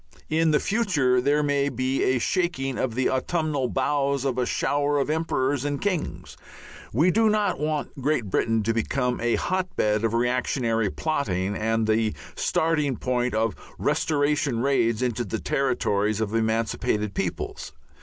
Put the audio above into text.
In the future there may be a shaking of the autumnal boughs and a shower of emperors and kings. We do not want Great Britain to become a hotbed of reactionary plotting and the starting point of restoration raids into the territories of emancipated peoples.